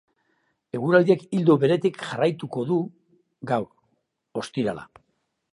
Eguraldiak ildo beretik jarraituko du gaur, ostirala.